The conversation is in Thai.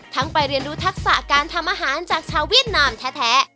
ไปเรียนรู้ทักษะการทำอาหารจากชาวเวียดนามแท้